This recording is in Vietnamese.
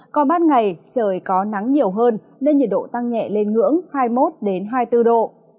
còn ban ngày trời có nắng nhiều hơn nên nhiệt độ tăng nhẹ lên ngưỡng hai mươi một hai mươi bốn độ